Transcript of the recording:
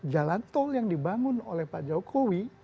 jalan tol yang dibangun oleh pak jokowi